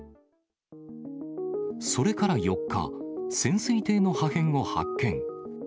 それから４日、潜水艇の破片を発見。